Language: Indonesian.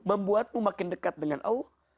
membuatmu makin dekat dengan allah